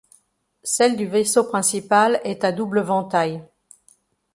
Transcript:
Celle du vaisseau principal est à double vantail.